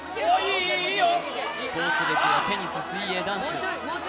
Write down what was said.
スポーツ歴はテニス、水泳、ダンス。